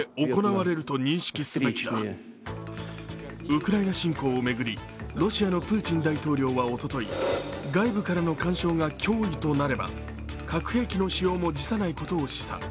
ウクライナ侵攻を巡り、ロシアのプーチン大統領はおととい、外部からの干渉が脅威となれば核兵器の使用も辞さないことを示唆。